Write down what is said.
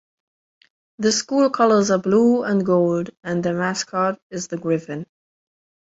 The school colors are blue and gold and their mascot is the Griffin.